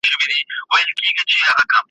اسوېلي به زیاتي نه لرم په خوله کي `